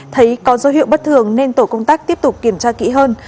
thấy có dấu hiệu bất thường nên tổ công tác tiếp tục kiểm tra kỹ hơn